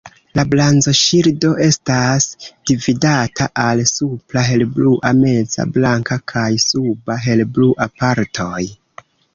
La blazonŝildo estas dividata al supra helblua, meza blanka kaj suba helblua partoj.